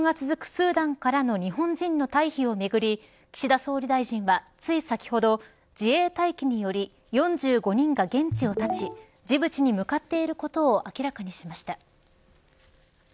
スーダンからの日本人の退避をめぐり岸田総理大臣は、つい先ほど自衛隊機により４５人が現地をたちジブチに向かっていることを明らかにしました。